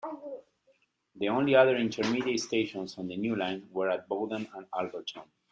The only other intermediate stations on the new line were at Bowden and Alberton.